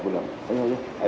terima kasih pak